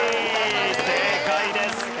正解です。